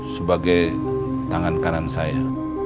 sebagai tangan kanan saya